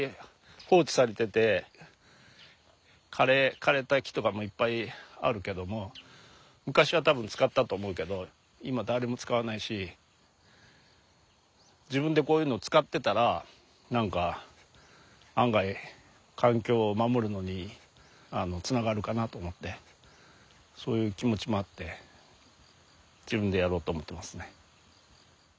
枯れた木とかもいっぱいあるけども昔は多分使ったと思うけど今誰も使わないし自分でこういうのを使ってたら何か案外環境を守るのにつながるかなと思ってそういう気持ちもあって自分でやろうと思ってますね。